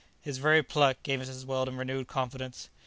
His very pluck gave Mrs. Weldon renewed confidence.